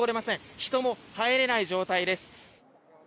人も入れない状態です。